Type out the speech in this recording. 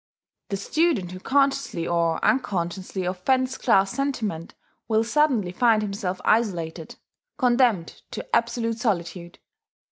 The student who consciously or unconsciously offends class sentiment will suddenly find himself isolated, condemned to absolute solitude.